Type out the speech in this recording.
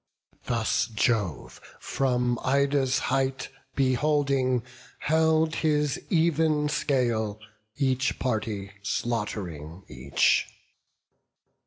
Thus Jove, from Ida's height beholding, held His even scale, each party slaught'ring each.